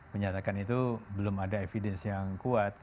menyatakan itu belum ada evidence yang kuat